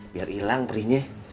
biar ilang perihnya